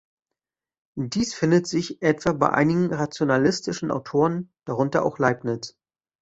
Dies findet sich etwa bei einigen rationalistischen Autoren, darunter auch Leibniz.